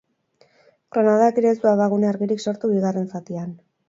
Granadak ere ez du abagune argirik sortu bigarren zatian.